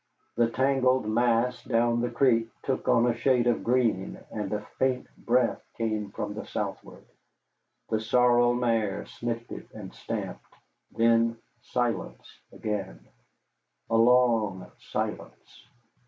The tangled mass down the creek took on a shade of green, and a faint breath came from the southward. The sorrel mare sniffed it, and stamped. Then silence again, a long silence.